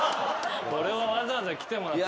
これはわざわざ来てもらった。